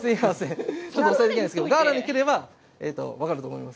お伝えできないんですけど、ガーラにくれば分かると思います。